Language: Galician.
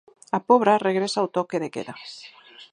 A Pobra regresa ao toque de queda.